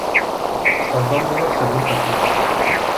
Stavba měla sedm kaplí.